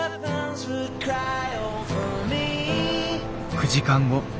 ９時間後。